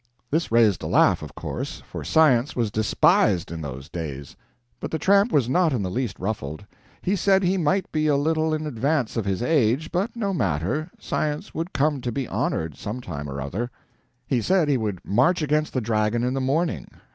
This raised a laugh, of course, for science was despised in those days. But the tramp was not in the least ruffled. He said he might be a little in advance of his age, but no matter science would come to be honored, some time or other. He said he would march against the dragon in the morning.